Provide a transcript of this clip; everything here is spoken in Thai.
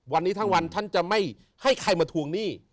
วันนี้ทั้งวันท่านจะไม่ให้ใครมาทวงหนี้